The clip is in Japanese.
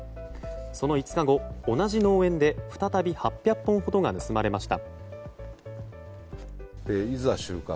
その５日後、同じ農園で、再び８００本ほどが盗まれました。